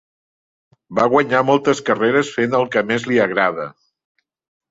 Va guanyar moltes carreres fent el que més li agrada.